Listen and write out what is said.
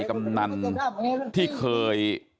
กำนันที่เคย